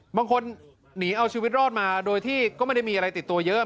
บางคนหนีเอาชีวิตรอดมาโดยที่ก็ไม่ได้มีอะไรติดตัวเยอะ